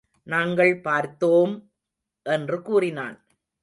நாங்கள் பார்த்தோம்! என்று கூறினான்.